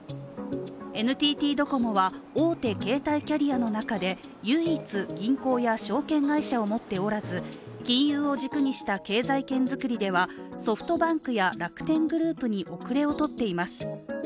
ＮＴＴドコモは大手携帯キャリアの中で唯一、銀行や証券会社を持っておらず金融を軸にした経済圏づくりではソフトバンクや楽天グループに遅れを取っています。